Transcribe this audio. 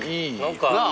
なあ。